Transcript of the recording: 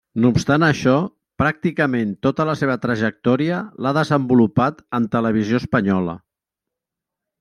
No obstant això, pràcticament tota la seva trajectòria l'ha desenvolupat en Televisió Espanyola.